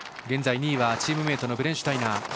現在、２位はチームメートブレンシュタイナー。